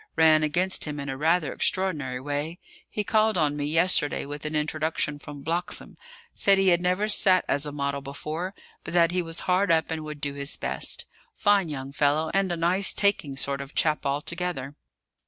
Ran against him in a rather extraordinary way. He called on me yesterday with an introduction from Bloxham: said he had never sat as model before; but that he was hard up, and would do his best. Fine young fellow, and a nice taking sort of chap altogether."